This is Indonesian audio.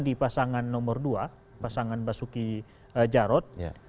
di pasangan nomor dua pasangan basuki jarot